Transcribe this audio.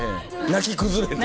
泣き崩れて。